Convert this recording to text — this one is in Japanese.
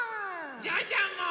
ジャンジャンも！